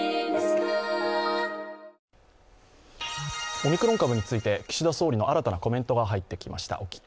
オミクロン株について岸田総理の新たなコメントが入ってきました。